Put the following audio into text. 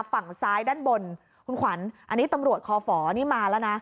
ฝั่งซ้ายด้านบนคุณขวัญอันนี้ตำรวจคอฝนี่มาแล้วนะ